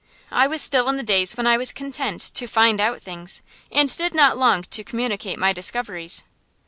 I was still in the days when I was content to find out things, and did not long to communicate my discoveries.